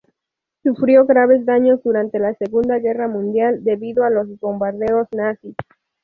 Sufrió graves daños durante la Segunda Guerra Mundial debido a los bombardeos nazis.